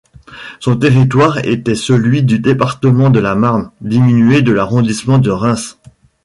Son territoire était celui du département de la Marne, diminué de l'arrondissement de Reims.